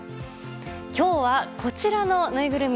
今日は、こちらのぬいぐるみ。